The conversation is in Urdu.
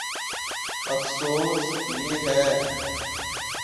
افسوس، یہ ہے۔